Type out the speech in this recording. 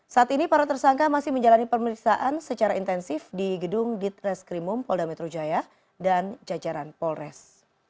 saat ini para tersangka masih menjalani pemeriksaan secara intensif di gedung ditreskrimum polda metro jaya dan jajaran polres